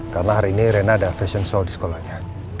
karena hari ini rena ada fashion show di sekolahnya